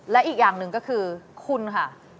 และอีกอย่างหนึ่งก็คือคุณค่ะ